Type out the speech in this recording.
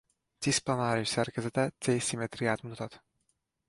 Cisz-planáris szerkezete C szimmetriát mutat.